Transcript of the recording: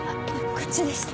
こっちでした。